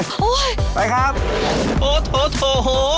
โอ๊ยไปครับโอ้โฮโถโฮโฮ